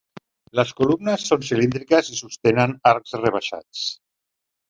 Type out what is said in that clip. Les columnes són cilíndriques i sostenen arcs rebaixats.